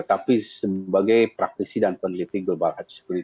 tapi sebagai praktek